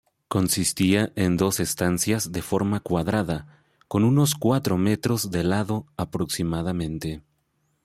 Consistía en dos estancias de forma cuadrada, con unos cuatro metros de lado aproximadamente.